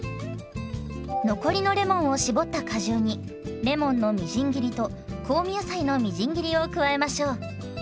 残りのレモンを搾った果汁にレモンのみじん切りと香味野菜のみじん切りを加えましょう。